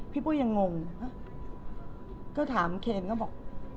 ปุ้ยยังงงก็ถามเคนก็บอก